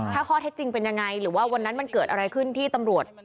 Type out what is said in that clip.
ถ้าข้อเท็จจริงเป็นยังไงหรือว่าวันนั้นมันเกิดอะไรขึ้นที่ตำรวจ